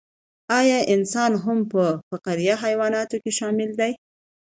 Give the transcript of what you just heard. ایا انسان هم په فقاریه حیواناتو کې شامل دی